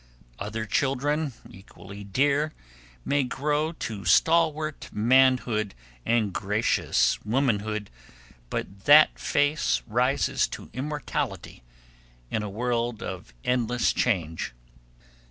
Other children, equally dear, may grow to stalwart manhood and gracious womanhood, but that face rises to immortality in a world of endless change.